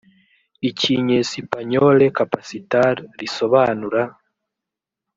ikinyesipanyole capacitar risobanura